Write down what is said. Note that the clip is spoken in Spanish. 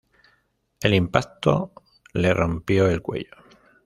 El impacto le rompió el cuello.